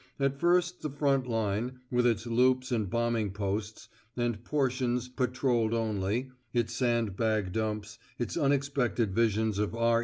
At first the front line, with its loops and bombing posts, and portions "patrolled only," its sand bag dumps, its unexpected visions of R.